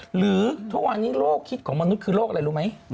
หรือทุกวันนี้โลกคิดของมนุษย์คือโรคอะไรรู้ไหม